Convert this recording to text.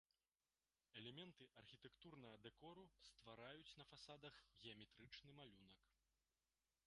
Элементы архітэктурнага дэкору ствараюць на фасадах геаметрычны малюнак.